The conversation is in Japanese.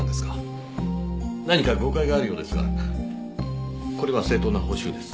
何か誤解があるようですがこれは正当な報酬です。